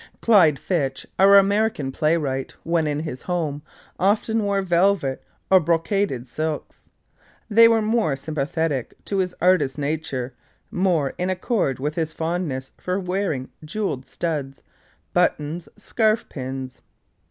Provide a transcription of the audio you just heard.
Clyde Fitch, our American playwright, when in his home, often wore velvet or brocaded silks. They were more sympathetic to his artist nature, more in accord with his fondness for wearing jewelled studs, buttons, scarf pins.